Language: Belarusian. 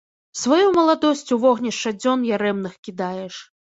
Сваю маладосць у вогнішча дзён ярэмных кідаеш.